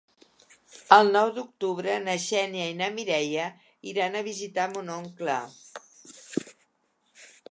El nou d'octubre na Xènia i na Mireia iran a visitar mon oncle.